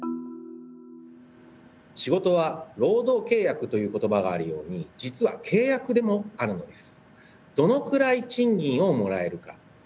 仕事は労働契約という言葉があるように実は契約でもあるのです。